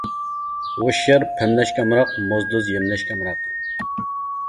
ھوشيار پەملەشكە ئامراق، موزدۇز يەملەشكە ئامراق.